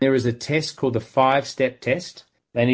ada tes yang disebut tes lima langkah